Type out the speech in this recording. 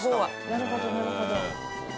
なるほどなるほど。